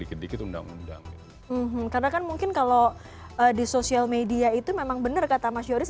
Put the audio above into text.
karena kan mungkin kalau di social media itu memang bener kata mas yoris